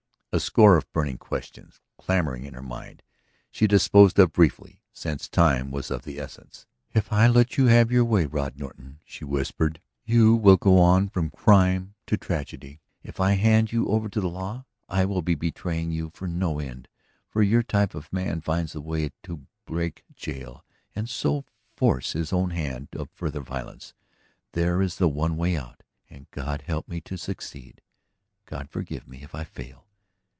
A score of burning questions clamoring in her mind she disposed of briefly, since time was of the essence. "If I let you have your way, Rod Norton," she whispered, "you will go on from crime to tragedy. If I hand you over to the law, I will be betraying you for no end; for your type of man finds the way to break jail and so force his own hand to further violence. There is the one way out. ... And God help me to succeed. God forgive me if I fail!"